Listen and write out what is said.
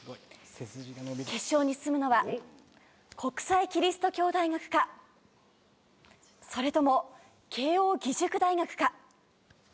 決勝に進むのは国際基督教大学かそれとも慶應義塾大学か。